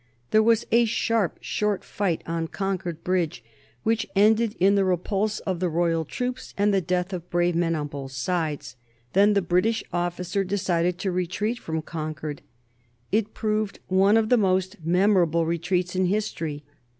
There was a sharp, short fight on Concord Bridge, which ended in the repulse of the royal troops and the death of brave men on both sides. Then the British officer decided to retreat from Concord. It proved one of the most memorable retreats in history.